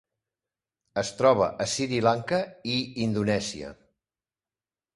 Es troba a Sri Lanka i Indonèsia.